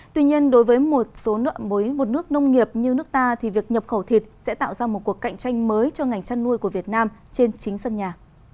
tuy nhiên đối với một số nước nông nghiệp như nước ta thì việc nhập khẩu thịt sẽ tạo ra một cuộc cạnh tranh mới cho ngành chăn nuôi của việt nam trên chính sân nhà